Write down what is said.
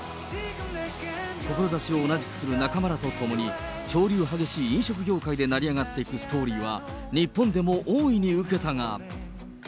志を同じくする仲間らと共に、潮流激しい飲食業界でなり上がっていくストーリーは、日本でも大いに受けたが。